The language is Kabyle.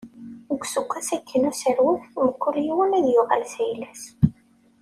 Deg useggas-agi n userwet, mkul yiwen ad yuɣal s ayla-s.